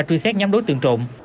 truy xét nhóm đối tượng trộn